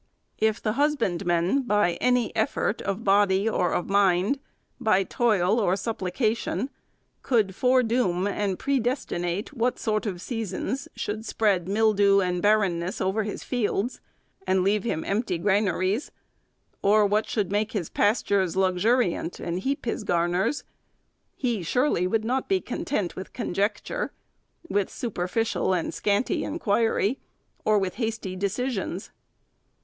If the husbandman, by any effort of body or of mind, by toil or supplication, could foredoom and predestinate what sort of seasons should spread mildew and barrenness over his fields, and leave him empty granaries, or what should make his pastures luxuriant and heap his garners, he surely would not be content with conjecture, with su perficial and scanty inquiry, or with hasty decisions.